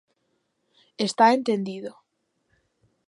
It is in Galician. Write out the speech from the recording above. Está entendido.